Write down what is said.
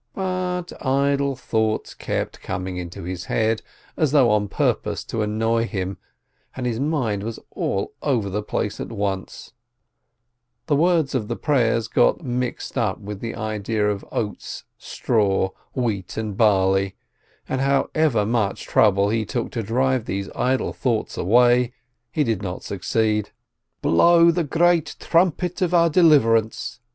But idle thoughts kept coming into his head, as though on purpose to annoy him, and his mind was all over the place at once ! The words of the prayers got mixed up with the idea of oats, straw, wheat, and barley, and however much trouble he took to drive these idle thoughts away, he did not succeed. "Blow the great trumpet of our deliverance!"